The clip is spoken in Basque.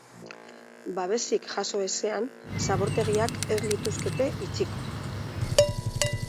Babesik jaso ezean, zabortegiak ez lituzkete itxiko.